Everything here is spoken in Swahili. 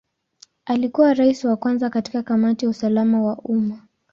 Alikuwa Rais wa kwanza katika Kamati ya usalama wa umma.